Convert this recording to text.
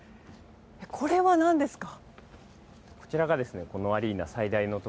これは何ですか？